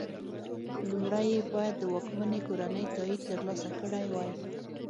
لومړی یې باید د واکمنې کورنۍ تایید ترلاسه کړی وای.